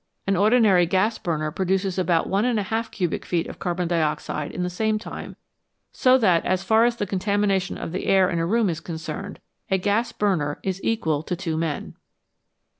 An ordinary gas burner produces about one and a half cubic feet of carbon dioxide in the same time, so that as far as the contamination of the air in a room is concerned, a gas bunier is equal to two men.